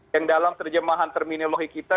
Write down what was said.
yang dalam terjemahan terminologi kita